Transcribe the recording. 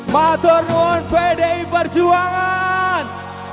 maturnuon pdi perjuangan